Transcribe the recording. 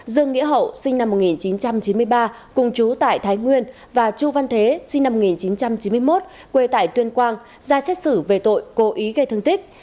dương nghĩa hậu sinh năm một nghìn chín trăm chín mươi ba cùng chú tại thái nguyên và chu văn thế sinh năm một nghìn chín trăm chín mươi một quê tại tuyên quang ra xét xử về tội cố ý gây thương tích